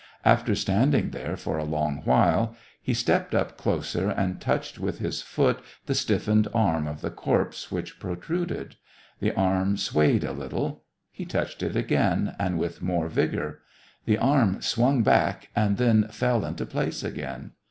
After standing there for a long while, he stepped 120 SEVASTOPOL IN MAY. up closer, and touched with his foot the stiffened arm of the corpse which protruded. The arm swayed a little. He touched it again, and with more vigor. The arm swung back, and then fell into place again.